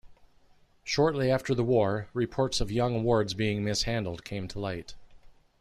Shortly after the war, reports of young wards being mishandled came to light.